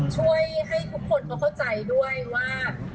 คือทำไมขุดลิกขุดเนื้อประชาชนขนาดนั้น